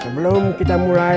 sebelum kita mulai